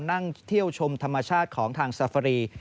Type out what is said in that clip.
นั่งเที่ยวชมธรรมชาติของทางซาฟารี